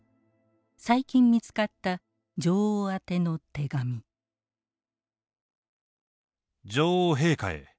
最近見つかった「女王陛下へ。